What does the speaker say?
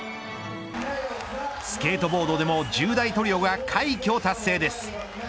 スケートボードでも１０代トリオが快挙達成です。